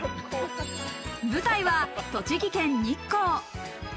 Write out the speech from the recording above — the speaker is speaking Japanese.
舞台は栃木県・日光。